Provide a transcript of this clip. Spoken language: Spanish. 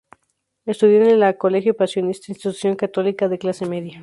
Estudio en la el colegio Pasionista, institución católica de clase media.